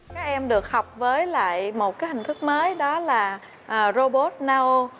các em được học với lại một hình thức mới đó là robot nao